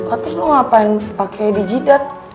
ah terus lu ngapain pake di jidat